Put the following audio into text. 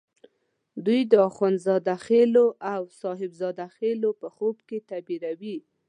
دوی د اخند زاده خېلو او صاحب زاده خېلو په خوب کې تعبیروي.